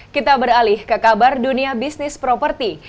kita beralih ke kabar dunia bisnis properti